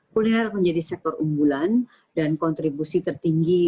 kuliner menjadi sektor unggulan dan kontribusi tertinggi